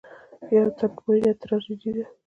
د یو تن مړینه تراژیدي ده.